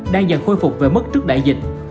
đang dần khôi phục về mức trước đại dịch